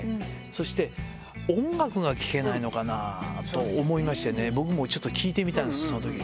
そして、音楽が聴けないのかなと思いましてね、僕もちょっと聴いてみたんです、そのとき。